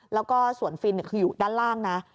แล้วก็ส่วนฟินคืออยู่ด้านล่างนะ